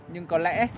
nhưng có lẽ